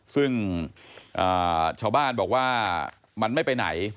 ซึ่งชาวบ้านบอกว่ามันไม่ไปไหน